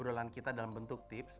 obrolan kita dalam bentuk tips